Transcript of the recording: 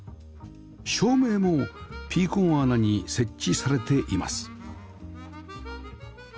照明もピーコン穴に設置されています